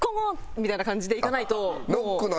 みたいな感じでいかないと。